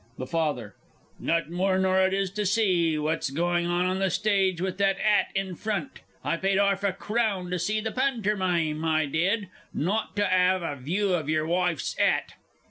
THE FATHER. Not more nor it is to see what's going on on the stage with that 'at in front! I paid 'arf a crown to see the Pantermime, I did; not to 'ave a view of your wife's 'at!...